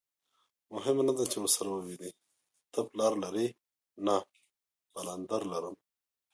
مهمه نه ده چې ورسره ووینې، ته پلار لرې؟ نه، پلندر لرم.